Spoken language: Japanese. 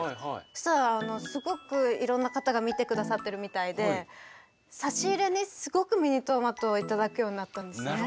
そしたらすごくいろんな方が見てくださってるみたいで差し入れにすごくミニトマトを頂くようになったんですね。